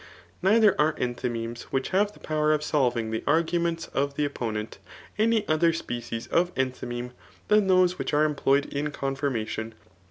Neither are enthymemes which have the power of solving [tht arguments of the opponent^ any other wft^ cies of enthymeme than those which are employed in confirmation.